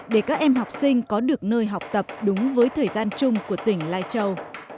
để các em học sinh có được nơi học tập đúng với thời gian chung của tỉnh lai châu